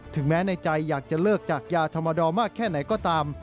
แม้ในใจอยากจะเลิกจากยาธรรมดอมากแค่ไหนก็ตาม